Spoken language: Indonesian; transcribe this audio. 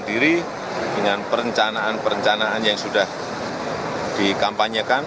diri dengan perencanaan perencanaan yang sudah dikampanyekan